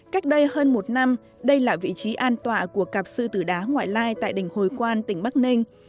cách đây hơn một năm đây là vị trí an tọa của cặp sư tử đá ngoại lai tại đỉnh hồi quan tỉnh bắc ninh